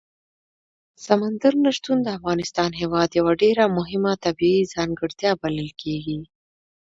سمندر نه شتون د افغانستان هېواد یوه ډېره مهمه طبیعي ځانګړتیا بلل کېږي.